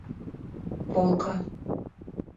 полка